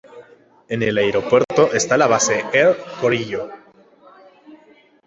En el aeropuerto está la base de Air Koryo.